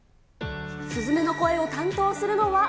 すずめの声を担当するのは。